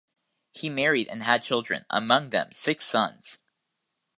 He married and had children, among them six sons.